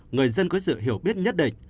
người dân có sự hiểu biết nhất định